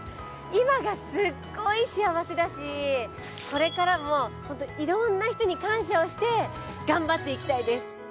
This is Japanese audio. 今がすっごい幸せだしこれからもホントいろんな人に感謝をして頑張っていきたいです。